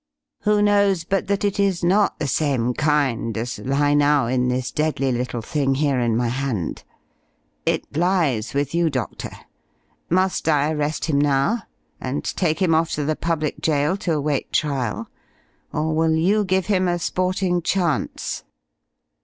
Who knows but that it is not the same kind as lie now in this deadly little thing here in my hand? It lies with you, Doctor. Must I arrest him now, and take him off to the public jail to await trial, or will you give him a sporting chance?"